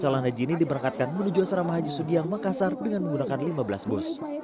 calon haji ini diberangkatkan menuju asrama haji sudiang makassar dengan menggunakan lima belas bus